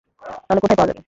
তাহলে কোথায় পাওয়া যাবে?